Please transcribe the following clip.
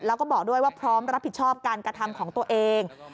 แล้วก็บอกด้วยว่าพร้อมรับผิดชอบการกระทำของตัวเอง